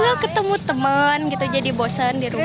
jadi teman jadi bosen di rumah